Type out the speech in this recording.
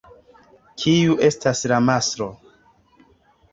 Kiu estas la mastro?